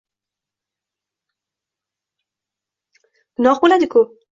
Gunoh bo‘ladi-ku!